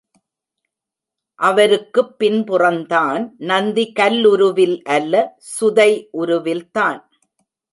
அவருக்குப் பின்புறந்தான் நந்தி கல்லுருவில் அல்ல, சுதை உருவில்தான்.